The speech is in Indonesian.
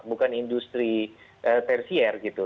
bukan industri tersier gitu